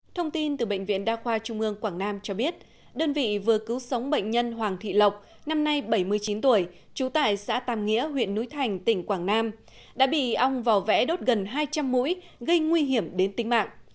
thông tin từ bệnh viện đa khoa trung ương quảng nam cho biết đơn vị vừa cứu sống bệnh nhân hoàng thị lộc năm nay bảy mươi chín tuổi trú tại xã tam nghĩa huyện núi thành tỉnh quảng nam đã bị ong vò vẽ đốt gần hai trăm linh mũi gây nguy hiểm đến tính mạng